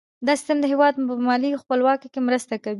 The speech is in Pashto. دا سیستم د هیواد په مالي خپلواکۍ کې مرسته کوي.